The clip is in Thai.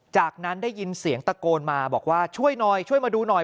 จากนั้นได้ยินเสียงตะโกนมาบอกว่าช่วยหน่อยช่วยมาดูหน่อย